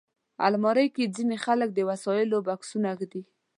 الماري کې ځینې خلک د وسایلو بکسونه ایږدي